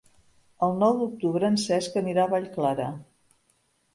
El nou d'octubre en Cesc anirà a Vallclara.